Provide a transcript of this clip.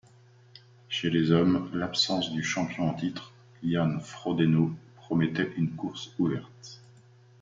Chez les hommes l'absence du champion en titre, Jan Frodeno promettait une course ouverte.